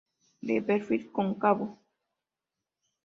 De perfil cóncavo.